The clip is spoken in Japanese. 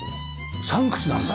３口なんだ！